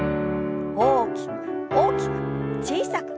大きく大きく小さく。